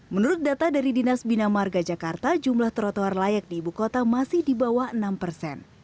menurut data dari dinas bina marga jakarta jumlah trotoar layak di ibu kota masih di bawah enam persen